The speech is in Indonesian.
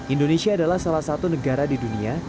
indonesia adalah salah satu negara di dunia